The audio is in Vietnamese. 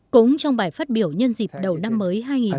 cũng trong bài phát biểu nhân dịp đầu tiên